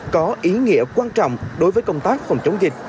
có ý nghĩa quan trọng đối với công tác phòng chống dịch